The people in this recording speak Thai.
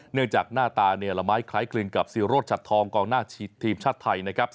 แหนื่องจากหน้าตาระไม้คล้ายคลึงกับศรีโรธชัดทองก่อนหน้าทีมชาติไทย